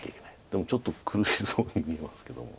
でもちょっと苦しそうに見えますけども。